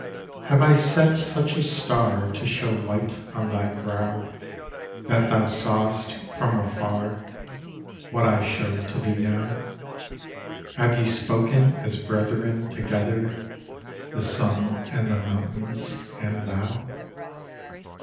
Have I set such a star To show light on thy brow That thou sawest from afar What I show to thee now? Have ye spoken as brethren together, the sun and the mountains and thou?